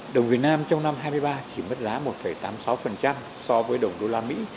đồng việt nam trong năm hai nghìn hai mươi ba chỉ mất giá một tám mươi sáu so với đồng đô la mỹ